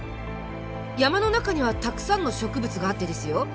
山の中にはたくさんの植物があってですよ